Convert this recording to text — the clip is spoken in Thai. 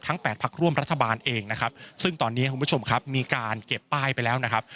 แปดพักร่วมรัฐบาลเองนะครับซึ่งตอนนี้คุณผู้ชมครับมีการเก็บป้ายไปแล้วนะครับ